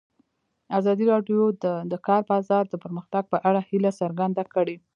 ازادي راډیو د د کار بازار د پرمختګ په اړه هیله څرګنده کړې.